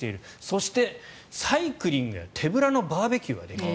そしてサイクリングや手ぶらのバーベキューができる。